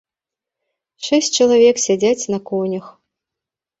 Шэсць чалавек сядзяць на конях.